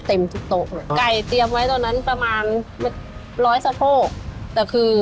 เคยกิดไปแล้วสองครั้ง